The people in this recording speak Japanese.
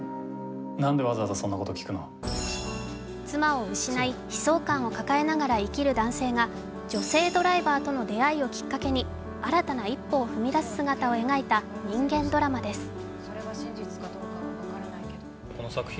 妻を失い、悲壮感を抱えながら生きる男性が女性ドライバーとの出会いをきっかけに新たな一歩を踏み出す姿を描いた人間ドラマです。